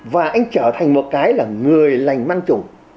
và anh trở thành một cái là người lành mang chủ